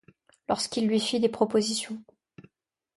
Lorsqu’il lui fit des propositions